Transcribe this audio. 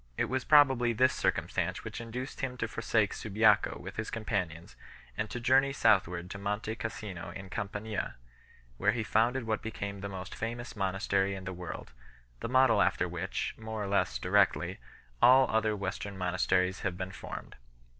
It was probably this circumstance which induced him to forsake Subiaco with his com panions, and to journey southward to Monte Cassino in Campania, where he founded what became the most famous monastery in the world, the model after which, more or less directly, all other Western monasteries have been formed.